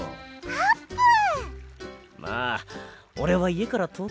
あーぷん！